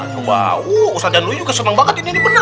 coba wuh ustadzianuyuyuk seneng banget ini bener nih